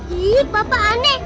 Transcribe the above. wah ini papa aneh